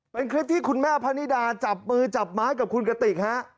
เป็นคลิปที่คุณแม่พะนิดาจับมือจับไม้กับคุณกติกฮะ